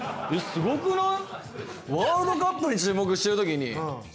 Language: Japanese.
すごくない？